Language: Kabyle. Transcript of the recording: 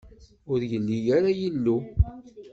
Ur yelli ara yillu.